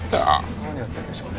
何やってるんでしょうね？